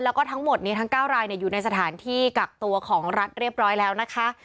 แล้วก็ทั้งหมดนี้ทั้ง๙รายอยู่ในสถานที่กักตัวของรัฐเรียบร้อยแล้วนะคะ